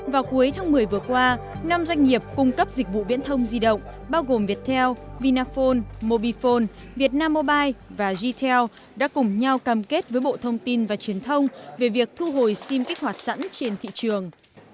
vào cuối tháng một mươi vừa qua năm doanh nghiệp cung cấp dịch vụ viễn thông di động bao gồm viettel vinaphone mobifone vietnam mobile và jetel đã cùng nhau cam kết với bộ thông tin và truyền thông về việc thu hồi sim kích hoạt sẵn trên thị trường